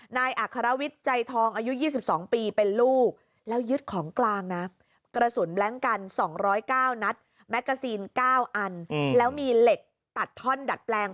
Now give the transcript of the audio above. ๒๐๙นัทแม็กซีน๙อันแล้วมีเหล็กตัดท่อนดัดแปลง